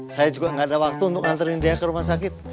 saya juga gak ada waktu untuk nganterin dia ke rumah sakit